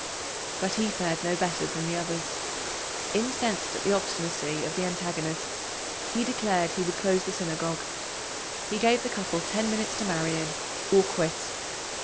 But he fared no better than the others. Incensed at the obstinacy of the antagonists, he declared he would close the Synagogue. He gave the couple ten minutes to marry in or quit.